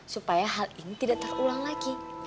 supaya hal ini tidak terulang lagi